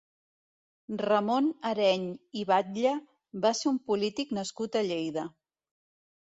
Ramon Areny i Batlle va ser un polític nascut a Lleida.